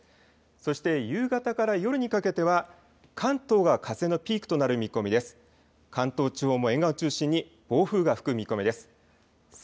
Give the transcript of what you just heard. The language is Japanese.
そして夕方から夜にかけては関東が風のピークとなる見込みです。